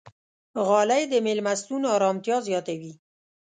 غالۍ د میلمستون ارامتیا زیاتوي.